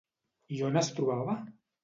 I on es trobava?